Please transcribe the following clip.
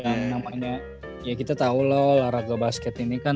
yang namanya ya kita tahu loh olahraga basket ini kan